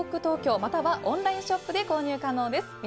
またはオンラインショップで購入可能です。